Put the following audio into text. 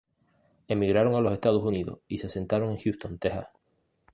Emigraron a los Estados Unidos y se asentaron en Houston, Texas.